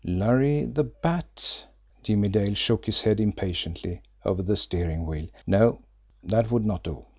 Larry the Bat? Jimmie Dale shook his head impatiently over the steering wheel. No; that would not do.